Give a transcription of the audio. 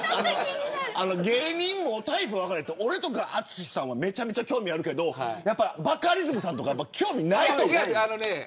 芸人もタイプ別れて俺とか淳さんは興味あるけどバカリズムさんとかは興味ないと思う。